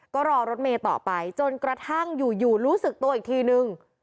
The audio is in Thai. ก็รอรถเมย์ต่อไปจนกระทั่งอยู่รู้สึกตัวอีกทีนึง